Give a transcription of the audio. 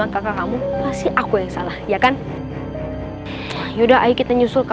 kakak bangun kak